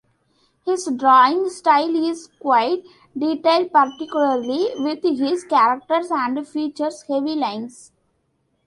His drawing style is quite detailed, particularly with his characters, and features heavy lines.